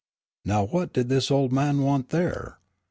Now what did this old man want there?